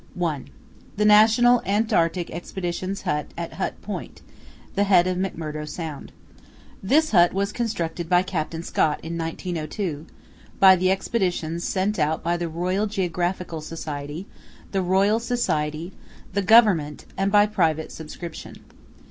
(1) THE NATIONAL ANTARCTIC EXPEDITION'S HUT AT HUT POINT—THE HEAD OF McMURDO SOUND This hut was constructed by Captain Scott in 1902, by the Expedition sent out by the Royal Geographical Society, the Royal Society, the Government, and by private subscription.